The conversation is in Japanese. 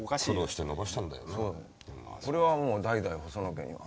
これはもう代々細野家には。